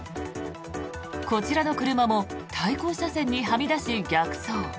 こちらの車も対向車線にはみ出し逆走。